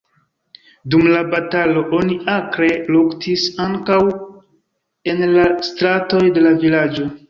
Dum la batalo oni akre luktis ankaŭ en la stratoj de la vilaĝo.